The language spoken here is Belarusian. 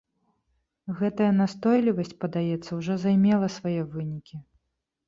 Гэтая настойлівасць, падаецца, ужо займела свае вынікі.